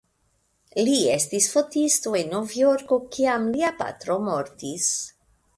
Li estis fotisto en Novjorko kiam lia patro mortis.